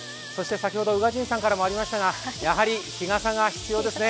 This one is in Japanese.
先ほど宇賀神さんからもありましたが日傘が必要ですね。